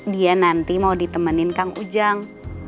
dia nanti mau ditemenin kang ujang